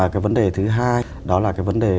cái vấn đề thứ hai đó là cái vấn đề